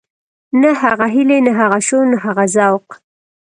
نه هغه هيلې نه هغه شور نه هغه ذوق.